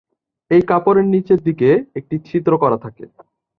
এই কাপড়ের নিচের দিকে একটি ছিদ্র করা থাকে।